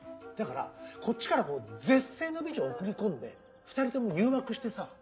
だからこっちから絶世の美女を送り込んで２人とも誘惑してさ。